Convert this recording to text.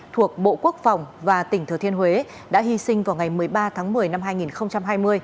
thuộc bộ quốc phòng và tỉnh thừa thiên huế đã hy sinh vào ngày một mươi ba tháng một mươi năm hai nghìn hai mươi